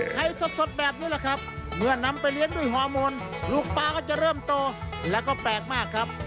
สดแบบนี้แหละครับเมื่อนำไปเลี้ยงด้วยฮอร์โมนลูกปลาก็จะเริ่มโตแล้วก็แปลกมากครับ